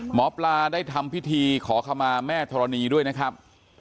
หมอปลาได้ทำพิธีขอขมาแม่ธรณีด้วยนะครับ